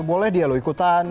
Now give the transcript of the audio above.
boleh dia lho ikutan